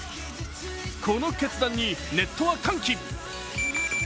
この決断にネットは歓喜。